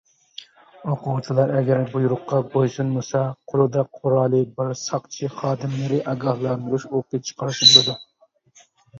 «ئوقۇغۇچىلار» ئەگەر بۇيرۇققا بويسۇنمىسا قولىدا قورالى بار ساقچى خادىملىرى ئاگاھلاندۇرۇش ئوقى چىقارسا بولىدۇ.